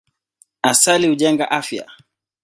Asali hujenga afya.